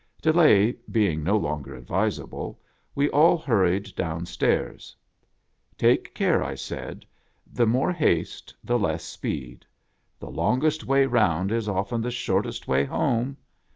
Delay being no longer advisable, we all hurried down stairs. "Take care," I said. "The more haste, the less speed. The longest way round is often the shortest way home.